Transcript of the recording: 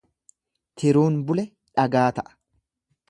Tiruun bule dhagaa ta'a.